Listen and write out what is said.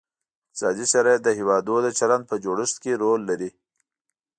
اقتصادي شرایط د هیوادونو د چلند په جوړښت کې رول لري